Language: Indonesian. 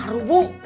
tak maru bu